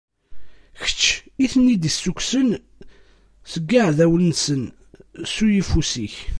Kečč i ten-id-issukkusen seg yiɛdawen-nsen, s uyeffus-ik.